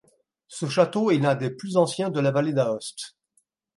Ce château est l'un des plus anciens de la Vallée d'Aoste.